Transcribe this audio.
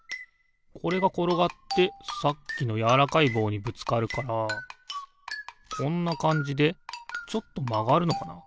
これがころがってさっきのやわらかいぼうにぶつかるからこんなかんじでちょっとまがるのかな。